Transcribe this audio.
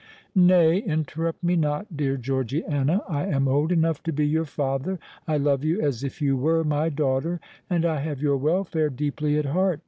Nay—interrupt me not, dear Georgiana: I am old enough to be your father—I love you as if you were my daughter—and I have your welfare deeply at heart.